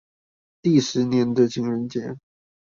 第十年的情人節